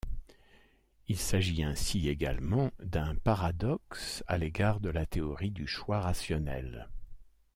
Il s'agit ainsi également d'un paradoxe à l'égard de la théorie du choix rationnel.